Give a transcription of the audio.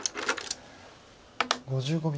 ５５秒。